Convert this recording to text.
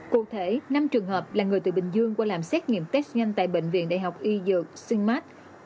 cụ thể năm trường hợp là người từ bình dương qua làm xét nghiệm test nhanh tại bệnh viện đại học y dược xuyên mát